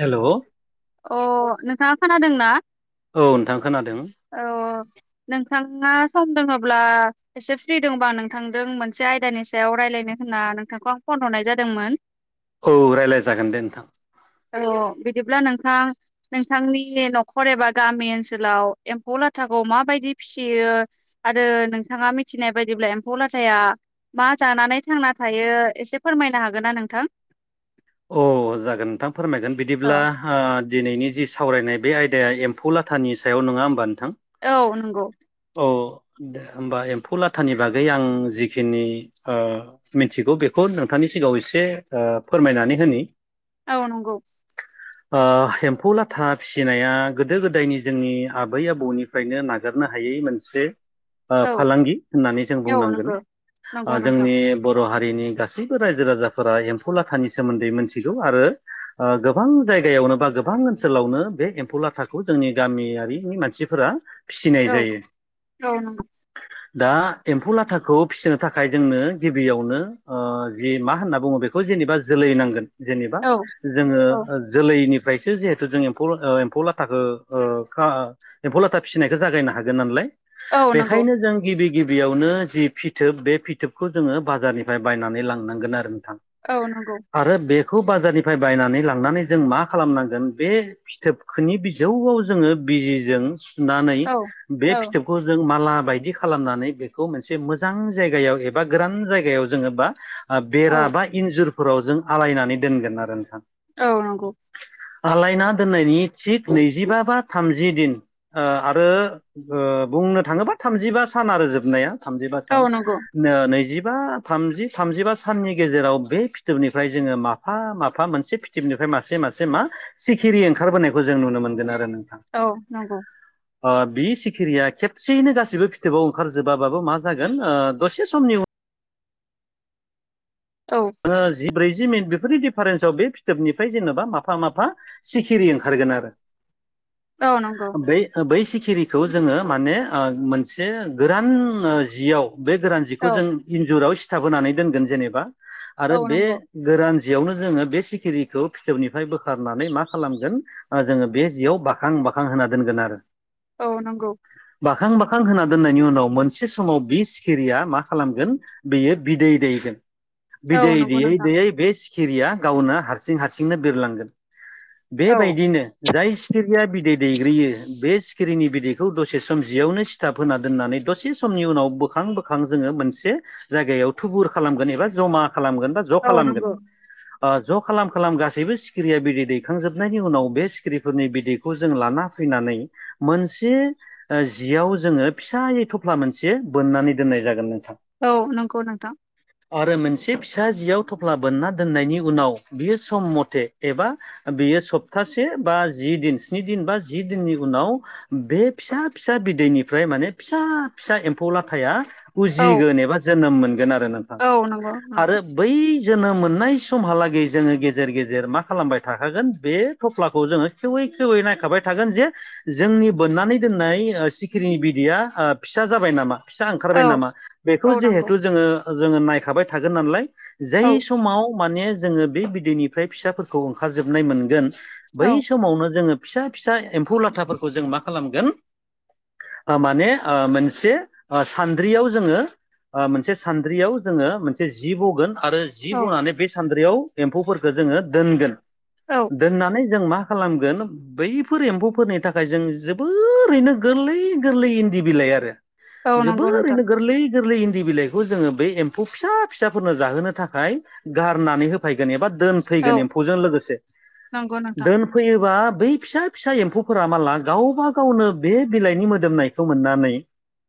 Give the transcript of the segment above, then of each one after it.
हेल' अ नोंथाङा खोनादोंना नोंथां खोनादों औ नोंथाङा सम दोङब्ला एसे फ्रि दङबा नोंथांजों मोनसे आयदानि सायाव रायलाय नो होनना नोंथांखौ आं फन हरनाय जादोंमोन। औ रायलाय जागोन दे नोंथां। थां नोंथांनि न'खर एबा गामि ओनसोलाव एम्फौ लाथाखौ माबायदि फिसियो ओ आरो नोंथाङा मिथिनाय बायदिब्ला एम्फौ लाथाया मा जानानै थांना थायो एसे फोरमायनो हागोनना नोंथां अ जागोन नोंथां फोरमायगोन औ बिदिब्ला ओ दिनैनि जि सावरायनाय बे आयदाया एम्फौ लाथानि सायाव नङा होमबा नोंथां औ नंगौ औ [inaudible] दे होमबा एम्फौ लाथानि बागै आं जिखिनि ओ मिथिगौ बेखौ नोंथांनि सिगाङाव एसे फोरमायनानै होनि औ नंगौ ओ एम्फौ लाथा फिसिनाया गोदो गोदायनि जोंनि आबै आबौनिफ्रायनो नागारनो हायै मोनसे ओ औ फालांगि होननानै जों औ बुंनांगोन नंगौ नंगौ ओ नोंथां जोंनि बर' हारि नि गासैबो रायजो राजाफोरा एम्फौ लाथानि सोमोन्दै मिथिगौ आरो आ गोबां जायगायावनो बा गोबां ओनसोलावनो बे एम्फौ लाथाखौ जोंनि गामियारिनि मानसिफोरा फ्रा फि औ औ नंगौ दा एम्फौ लाथाखौ फिसिनो थाखाय जोंनो गिबियावनो जि मा होनना बुङो बे खौ जेनेबा जोलै नांगोन जेनेबा औ जोङो जोलैनि फ्रायसो जिहेथु जों एम्फौ ओ एम्फौ लाथाखौ एम्फौ लाथा फिसिनायखौ जागायनो हाग गोन नालाय औ नंगौ बेखायनो जों गिबि गिबियावनो जि फिथोब बे फिथोबखौ जोङो बाजारनिफ्राय बायनानै लांनांगोन आरो नोंथां औ नंगौ आरो बे खौ बाजारनिफ्राय बायनानै लांनानै जों मा खालामनांगोन बे फिथोबखोनि बिजौआव जोङो बिजिजों सुनानै औ बे औ फिथोबखौ जों माला बायदि खालामनानै बेखौ मोनसे मोजां जायगायाव एबा गोरान जायगायाव जोङो बा औ बेरा बा इन्जुरफोराव जों आलायनानै दोनगोन आरो नोंथां औ नंगौ आलायना दोननायनि थिग नैजिबा बा थामजि दिन ओ आरो ओ बुंनो थाङोबा थामजिबा सान आरो जोबनाया थामजिबा औ सान नंगौ ओ नैजि बा थामजि थामजिबा साननि गेजेराव बे फिथोबनिफ्राय जोङो माफा माफा मोनसे फिथोबनिफ्राय मासे मासे मा सिखिरि ओंखारबोनायखौ जों नुनो मोनगोन आरो नों औ नंगौ ओ बि सि खिरिया खेबसेयैनो गासिबो फिथोबाव ओंखारजोबाबाबो मा जागोनओ दसे समनि उनाव औ [unintelligible] ब्रैजि मिनिट बेफोरनि दिडिफारेन्सआव बे फिथोबनिफ्राय जेनेबा माफा माफा सिखिरि ओंखारगोन आरो औ नंगौ बै-बै सि खिरिखौ जोङो माने ओ मोनसे गोरान जियाव बे गोरान औ जिखौ जों इन्जुराव सिथाब होनानै दोनगोन जेनेबा आरो औ बे नंगौ गोरान जियावनो जोङो बे सिखिरिखौ फिथोबनिफ्राय बोखारनानै मा खालामगोन ओ जोङो बे जियाव बाखां मानखां होना दोनगोन आरो औ नंगौ खां बाखां होना दोननायनि उनाव मोनसे समाव बि सिखिरिया मा खालामगोन बेयो बिदै दैगोन औ बिदैै नंगौ दैयै नोंथां दैयै बे सिखिरिया गावनो हारसिं हारसिंनो बिरलांगोन औ बेबायदिनो जाय सिखिरिया बिदै दैग्रोयो बे सिखिरिनि बिदैखौ दसे सम जियावनो सिथाब होना दोननानै दसे समनि उनाव बोखां बोखां जोङो मोनसे जायगायाव थुबुर खालामगोन एबा जमा खालामगोन बा ज' औ खालामगोन नंगौ ओ ज'खालाम खालाम गासैबो सिखिरिया बिदै दैखांजोबनायनि उनाव बे सिखिरिफोरनि बिदैखौ जों लाना फै फैनानै मोनसे ओ जियाव जोङो फिसायै थफ्ला मोनसे बोननानै दोननाय जागोन नों औ नंगौ नोंथां आरो मोनसे फिसा जियाव थफ्ला बोनना दोननायनि उनाव बियो सम मथे एबा बियो सप्तासे बा जि दिन स्नि दिन बा जि दिननि उनाव बे फिसा फिसा बिदैनि फ्राय माने फिसा फिसा एम्फौ लाथाया औ उजिगोन एबा जोनोम मोनगोन आरो नोंथां औ नंगौ नंगौ आरो बै जोनोम मोननाय समहालागै जोङो गेजेर गेजेर मा खालामबाय थाखागोन बे थफ्लाखौ जोङो सेेवै खेवै नायखाबाय थागोन जे जोंनि बोननानै दोननाय ओ सिखिरिनि बिदैया ओ फिसा जाबाय नामा फिसा ओंखारबाय औ नामा बेखौ औ नंगौ जेहेथु जोङो ओ जोङो नायखाबाय थागोन नालाय औ जाय समाव माने जोङो बे बिदैनिफ्राय फिसाफोरखौ ओंखारजोबनाय मोनगोन औ बै समावनो जोङो फिसा फिसा एम्फौ लाथाफोरखौ जों मा खालामगोन ओ माने ओ मोनसे ओ सान्द्रियाव जोङो ओ मोनसे सान्द्रियाव जोङो मोनसे जि बगोन आरो जि औ बनानै बे सान्द्रियाव एम्फौफोरखो जोङो दोनगोन दोननानै जों मा खालामगोन बैफोर एम्फौफोरनि थाखाय जों जोबोरैनो गोरलै गोरलै इन्दि बिलाइ आरो औ नंगौ नोंथां जोबोरैनो गोरलै गोरलै इन्दि बिलाइखौ जोङो बै एम फौ फिसा फिसाफोरनो जाहोनो थाखाय गारनानै होफायगोन एबा दोन औ फैगोन एमफौ जों लोगोसे नंगौ नोंथां दोनफैयोबा बै फिसा फिसा एम्फौफोरा माला गावबा गावनो बे बिलाइनि मोदोमनायखौ मोननानै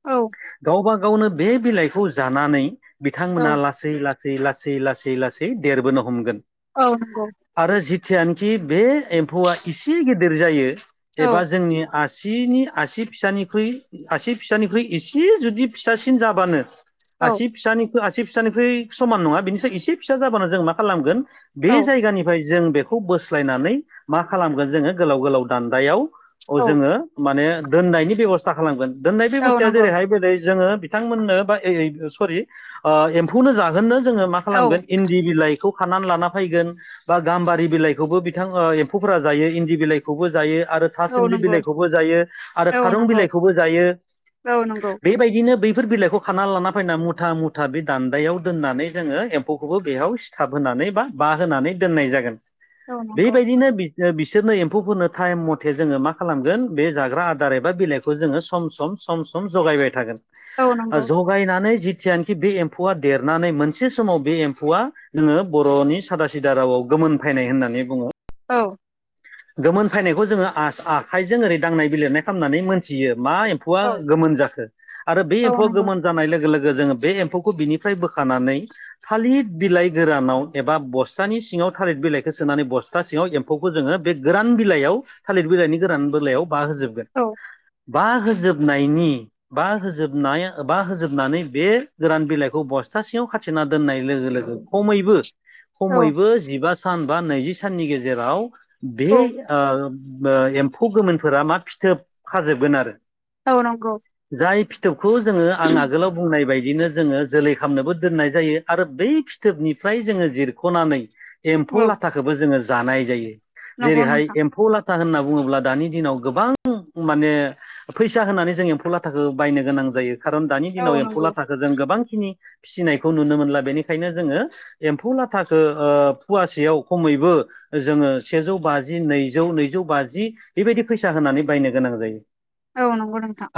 औ गावबा गावनो बे बिलाइखौ जानानै औ बिथांमोना लासै ला सै लासै लासै लासै देरबोनो हमगोन औ नंगौ आरो जिथिआन थि बे एम्फौआ इसे गिदिर जायो औ एबा जोंनि आसिनि आसि फिसानिख्रुइ आसि फिसानिख्रुइ एसे जुदि फिसासिन जाबानो औ आसि फिसानि आसि फिसानिफ्राय समान नङा बिनिफ्राय एसे फिसा जाबानो जों मा खालामगोन बे जायगानिफ्राय जों बेखौ बोस्लायनानै मा खालामगोन जोङो गोलाव गोलाव दान्दायाव अ औ जोङो माने दोननायनि बेब'स्था खालामगोन दोननाय औ बेब'स्थाया नंगौ जेरैहाय बेलै जोङो बिथांमोननो बा एओय सरि ओ एम्फौनो जाहोनो जोङो मा औ खालामगोन इन्दि बिलाइखौ खानानै लाना फैगोन बा गाम्बारि बिलाइखौबो बिथां ओ एम्फौफोरा जायो इन्दि बिलाइखौबो जायो आरो था औ सिमलि नंगौ बिलाइखौबो जायो आरो औ खारुं नंगौ बिलाइखौबो जायो औ नंगौ बेबायदिनो बैफोर बिलाइखौ खाना लाना फैना मुथ था मुथा बे दान्दायाव दोननानै जोङो एम्फौखौबो बेयाव सिथाब होनानै बा बाहोनानै दोननाय जागोन औ नंगौ बेबायदिनो बि ओ बिस सोरनो एम्फौफोरनो थाइम मथे जोङो मा खालामगोन बे जाग्रा आदार एबा बिलाइखौ जोङो सम सम सम सम जगायबाय थागोन औ ओ नंगौ जगायनानै जि थियानोखि बे एम्फौआ देरनानै मोनसे समाव बे एम्फौआ जोङो बर'नि सादा सिदा रावाव गो मोनफायनाय होननानै बुङो औ गोमोन फायनायखौ जोङो आस आखाइजों ओरै दांनाय बिलिरनाय खालामनानै मोन थियो मा एम्फौआ औ गोमोन जाखो आरो बे औ एम्फौआ नंगौ गोमोन जानाय लोगो लोग जोङो बे एम्फौखौ बिनिफ्राय बोखानानै थालिद बिलाइ गोरानाव एबा बस्थानि सिङा [unintelligible] थालिद बिलाइखो सोनानै बस्था सिङाव एम्फौखो जोङो बे गोरान बिलाइयाव थालिर बिलाइनि गोरान बिलाइयाव बा होजोबगोन औ बा होजोबनायनि बा होजोबनाय बा होजोबनानै बे गोरान बिलाइ बखौ बस्थासेआव खाथिना दोननाय लोगो लोगो खमैबो औ खमैबो जिबा सान बा नैजि साननि गेजेराव बे औ ओ ओ एम्फौ गोमोनफोरा मा फिथोब खाजोबगोन आरो औ नंगौ खौ जोङो आं आगोलाव बुंनाय बाय दिनो जोङो जोलै खालामनोबो दोननाय जायो आरो बै फिथोबनिफ्राय जोङो जिरख'नानै एम्फौ औ लाथाखौबो जोङो जानाय जायो नंगौ जेरैहाय नोंथां एम्फौ लाथा होनना बुङोब्ला दानि दिनाव गोबां माने फैसा होनानै जों एम्फौ लाथाखौ बायनो गोनां जायो खारन दानि औ दिनाव एम्फौ नंगौ लाथाखौ जों गोबांखिनि फिसिनायखौ नुनो मोनला बेनिखायनो जोङो एम्फौ लाथाखौ फवासेयाव खमैबो जोङो सेजौ बाजि नैजौ नैजौ बाजि बेबायदि फैसा होनानै बायनो गोनां जायो औ नंगौ नोंथां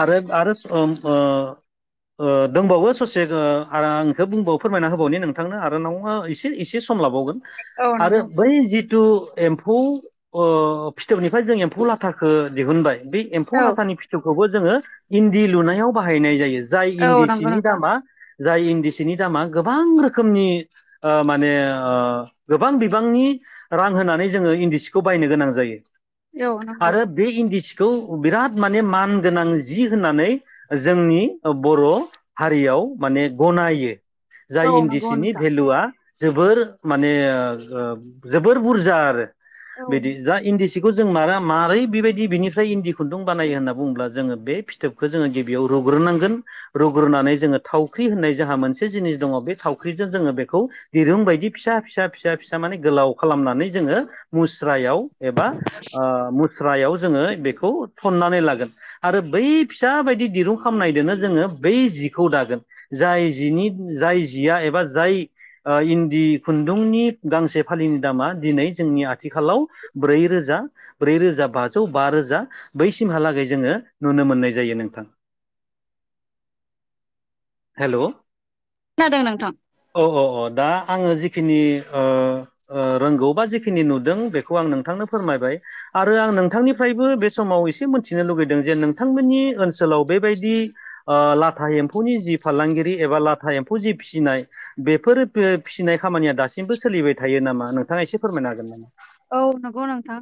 ओम ओ ओ दंबावो ससे ओ आरो आं बुंबावो फोरमायना होबावनि नोंथांनो आरो नाव एसे एसे सम लाबावोन औ आरो नंगौ बै जिथु एमप एम्फौ ओ फिथोबनिफ्राय जों एम्फौ लाथाखो दिहुनबाय बे एम्फौ औ लाथानि फिथोबखौबो जोङो इन्दि लुनायाव बाहायनाय जायो । जाय औ इन्दि नंगौ सिनि नोंथां दामा जाय इन्दि सिनि दामा गोबां रोखोमनि माने ओ गोबां बिबांनि रां होनानै जोङो इन्दि सिखौ बायनो गोनां जायो औ नंगौ आरो बे इन्दि सि खौ बिराद माने मान गोनां जि होननानै जोंनि बर' हारियाव माने गनायो जाय औ इन्दि नंगौ सिनि नोंथां भेलुआ जोबोर माने जोबोर बुरजा आरो औ बिदि जा इन्दि सि बेखौ जों मारा मारै बेबायदि बिनिफ्राय इन्दि खुन्दुं बानायो होनना बुंब्ला जोङो बे फिथोबखौ जोङो गिबियाव रु रुग्रोनांगोन रुग्रोनानै जोङो थावख्रि होननाय जोंहा मोनसे जिनिस दङ बे थावख्रिजों जोङो बेखौ दिरुं बायदि फिसा फिसा फिसा फिसा म मे गोलाव खालामनानै जोङो मुस्रायाव एबा मुस्रायाव जोङो बेखौ थन्नानै लागोन आरो बै फिसा बायदि दिरुं खालामनायजोनो जोङो बै जिखौ दागोन जाय जिनि नि जाय जिया एबा जाय इन्दि खुन्दुंनि गांसे फालिनि दामा दिनै जोंनि आथिखालाव ब्रै रोजा ब्रै रोजा बाजौ बा रोजा बैसिमहालागै जोङो नुनो मोन । मोननाय जायो नोंथां। [inaudible] [inaudible] हेलौ खोनादों नोंथां औ औ औ दा आङो जिखिनि ओ ओ रोंगौबा जिखिनि नुदों बेखौ आं नोंथांनो फोरमायबाय आरो आं नोंथांनिफ्रायबो बे समाव इसे मिथिनो लुबैदों जे नोंथांमोननि ओनसोलाव बेबायदि लाथा एम्फौनि जि फालांगिरि एबा लाथा एम्फौ जि फिसिनाय बेफोर फिसिनाय खामानिया दासिमबो सोलिबाय थायो नामा नोंथाङा एसे फोरमायनो हागोन नामा। औ नंगौ नोंथां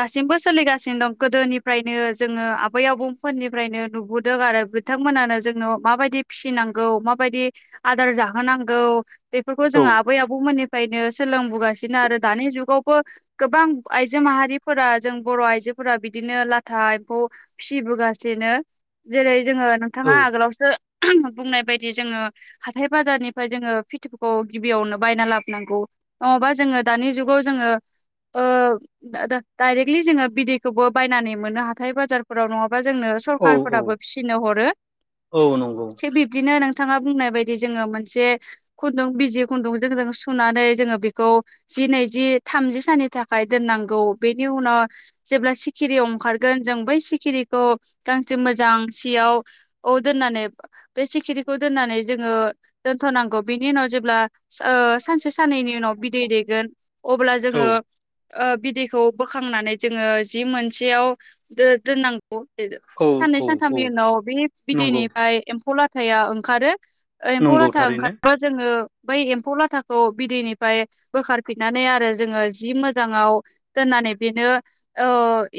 दासिमबो सोलिगासिनो दं गोदोनिफ्रायनो जोङो आबै आबौ फोर निफ्रायनो नुबोदों आरो बिथांमोनानो जोंनाव माबायदि फिसिनांगौ माबायदि आदार जाहो -होनांगौ बेफोरखौ औ जोङो आबै आबौमोननिफ्रायनो सोलोंबोगासिनो आरो दानि जुगावबो गोबां आइजो माहारिफोरा जों बर आइजोफोरा बिदिनो लाथा एम्फौ फिबोगासि - -नो जेरै जोङो नोंथाङा औ आगोलावसो बुंनाय बायदि जोङो हाथाय बाजारनिफ्राय जोङो फिथोबखौ गिबियावनो बायना लाबोनांगौ नङाबा जोङो दानि जुगाव जोङो ओ द डाइरेक्टलि जोङो बिदैखौबो बायनानै मोननो हाथाय बाजारफोराव नङा - - बा जोंनो औ औ सरखारफोराबो फिसिनो हरो औ नंगौ थि बिबदिनो नोंथाङा बुंनाय बायदि जोङो मोनसे खुन्दुं बिजि खुन्दुंजों जों सुनानै जोङो बेखौ जि नैजि थामजि सानै थाखाय दोननांगौ बेनि उनाव जेब्ला सिखिरिया ओंखारगोन जों बै सिखिरिखौ गांसे मोजां सियाव दोननानै बे सिखिरिखौ दोननानै जोङो दोनथ - -नांगौ बिनि उनाव जेब्ला ओ सानसे साननैनि उनाव बिदै दैेगोन अब्ला औ जोङो बिदैखौ बोखांनानै जोङो जि मोनसेयाव दो दोननां - गौ बे ओ औ साननै औ सानथामनि औ उनाव बे नंगौ बिदैनिफ्राय एम्फौ लाथाया ओंखारो। एम्फौ नंगौ लाथा थारैनो ओंखारब्ला जोङो बै एम्फौ लाथाखौ बिदैनिफ्राय बोखारफिननानै आरो जोङो जि मोज जाङाव दोननानै बेनो ओ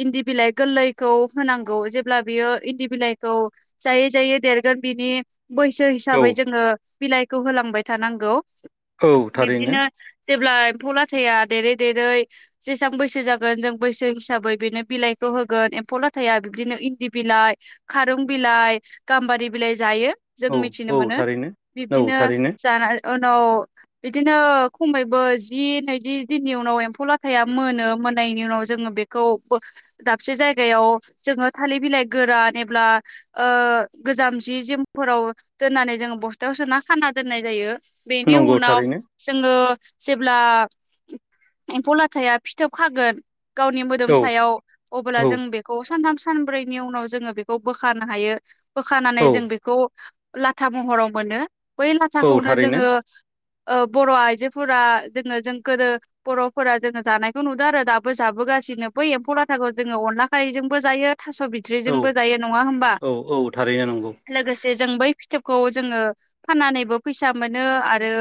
इन्दि बिलाइ गोरलैखौ होनांगौ जेब्ला बे यो इन्दि बिलाइखौ जायै जायै देरगोन बिनि बैसो औ हिसाबै जोङो बिलाइखौ होलांबाय थानांगौ। औ थारैनो बिब्दिनो जेब्ला एम्फौ लाथाया देरै देरै जेसां बैसो जागोन जों बैसो हिसाबै बेनो बिलाइखौ होगोन एम्फौ लाथाया बिदिनो इन्दि बि लाइ, खारुं बिलाइ, गाम्बारि बिलाइ जायो। जों औ मिथिनो औ मोनो थारैनो औ बिब्दिनो थारैनो जाना उनाव बिदिनो खमैबो जि नैजि दिननि उनाव एम्फौ ला थाया मोनो मोननाय नि उनाव जोङो बेखौ दाबसे जायगायाव जोङो थालिर बिलाइ गोरान एब्ला ओ गोजाम जि जोमफोराव दोननानै जोङो बस्थायाव सोना खाना दोननाय जायो। बेनि नंगौ उनाव थारैनो जोङो जेब्ला एम्फौ ला थाया फिथोब खागोन गावनि मोदोम औ सायाव अब्ला औ जों बेखौ सानथाम सानब्रैनि उनाव जोङो बेखौ बोखानो हायो बोखानानै औ जों बेखौ लाथा महराव मोनो बै औ लाथाखौनो थारैनो जोङो ओ बर' आइजोफोरा जोङो जों गोदो बर'फोरा जोङो जानायखौ नुदों आरो दाबो जाबोगासिनो बै एम्फौ लाथाखौ जोङो अनला खारैजोंबो जायो। थास' औ बिथ'रायजोंबो जायो नङा होमबा औ औ थारैनो नंगौ लोगोसे जों बै फिथोबखौ जोङो फाननानैबो फैसा मोनो आरो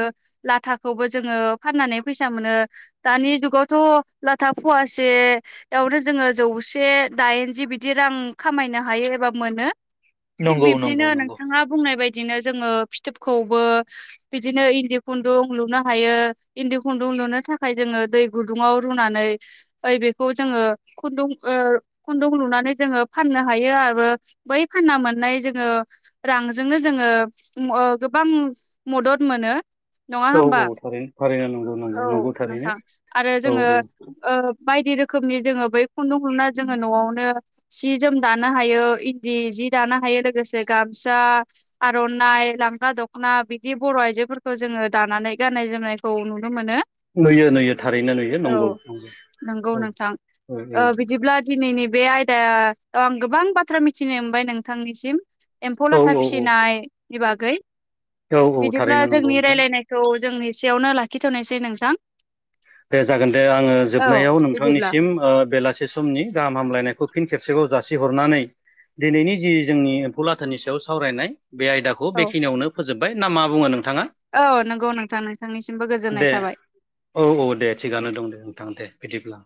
लाथाखौबो जोङो फाननानै फैसा मोनो दानि जुगाव थ' लाथा फवासेयावनो जोङो जौसे दाइनजि बिदि रां खामाय नो हायो एबा मोनो थिग नंगौ नंगौ बिबदिनो नंगौ नोंथाङा बुंनाय बाय दिनो जोङो फिथोबखौबो बिदिनो इन्दि खुन्दुं लुनो हायो इन्दि खुन्दुुं लुनो थाखाय जोङो दै गुदुंआव रुनानै बेखौ जोङो खुुन्दुं ओ खुन्दुं लुनानै जोङो फान नो हायो आरो बै फानना मोननाय जोङो रांजोंनो जोङो ओ गोबां मदद मोनो नङा औ होमबा औ थारैनो थारैनो नंगौ नंगौ औ नंगौ थारैनो नोंथां। आरो औ जोङो औ ओ बायदि रोखोमनि जोङो बे खुन्दुं लुना जोङो न'आवनो सि जोम दानो हायो इन्दि जि जि दानो हायो लोगोसे गामसा, आर'नाइ, गामसा, दख'ना बिदि बर' आइजोफोरखौ जो जोङो दानानै गाननाय जोमनायखौ नुनो मोनो। नुयो नुयो। थारैनो नुयो औ नंगौ नंगौ नंगौ औ नोंथां औ ओ बिदिब्ला दिनैनि बे आयदाया आं गोबां बाथ्रा मिथिनो मोनबाय नोंथांनिसिम। एम्फौ लाथा औ फिसिनायनि बागै औ औ बिदिब्ला थारैनो नंगौ जोंनि नोंथां रायलायनायखौ जों एसेयावनो लाखिथ'नोसै नोंथां। दे जागोन दे आङो औ जोबनायाव बिदिब्ला नोंथांनिसिम ओ बेलासि समनि गाहाम हामलायनायखौ फिन खेबसेबाव जासिहरनानै दिनैनि जि जोंनि एम्फौ लाथानि सायाव सावरायनाय बे आयदाखौ औ बेखिनियावनो फोजोबबाय ना मा बुङो नों औ नंगौ नोंथां नोंथांनिसिमबो गोजोननाय दे थाबाय। औ औ दे थिगनो दं दे नोंथां दे बिदिब्ला।